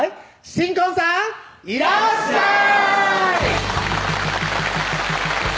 新婚さんいらっしゃい！